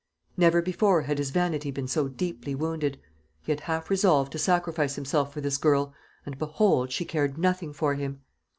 Never before had his vanity been so deeply wounded. He had half resolved to sacrifice himself for this girl and behold, she cared nothing for him!